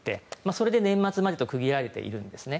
それで年末までと区切られているんですね。